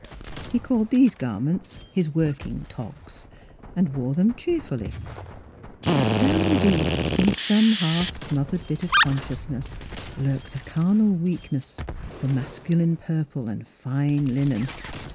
He called these garments " his working togs " and wore them cheerfully, but down deep in some half smothered bit of consciousness lurked a carnal weak ness for masculine purple and fine linen.